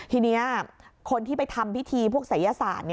ทีนี้คนที่ไปทำพิธีพวกศัยศาสตร์